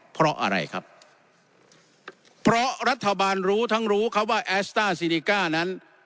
เพราะอะไรครับเพราะรัฐบาลรู้ทั้งรู้ครับว่าแอสต้าซีดิก้านั้น